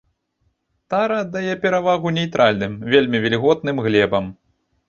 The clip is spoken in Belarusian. Тара аддае перавагу нейтральным, вельмі вільготным глебам.